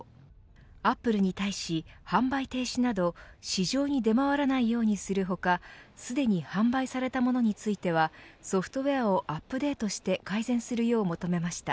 アップルに対し販売停止など市場に出回らないようにする他すでに販売されたものについてはソフトウエアをアップデートして改善するよう求めました。